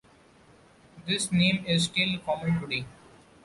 This name is still common today.